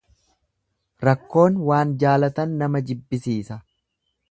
Rakkoon waan jaalatan nama jibbisiisa.